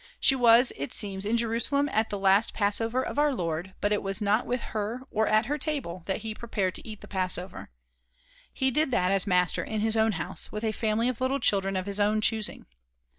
She was, it seems, in Jerusalem at the last Passover of our Lord, but it was not with her, or at her table, that he prepared to eat the Passover. He did that as master in his own house, with a family of little children of his own choosing.